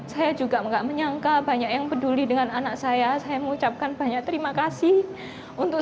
saya juga enggak menyangka banyak yang peduli dengan anak saya saya mengucapkan banyak terima kasih untuk